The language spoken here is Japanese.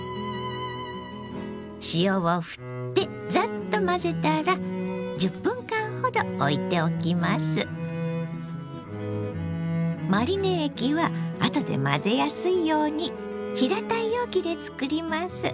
塩をふってザッと混ぜたらマリネ液はあとで混ぜやすいように平たい容器で作ります。